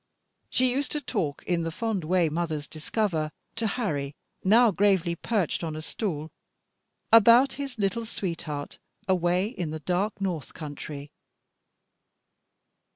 She used to talk, in the fond way mothers discover, to Harry, now gravely perched up on a stool, about his little sweetheart away in the dark north country.